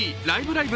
ライブ！